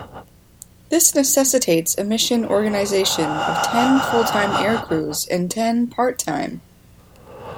This necessitates a mission organization of ten full-time aircrews and ten part-time.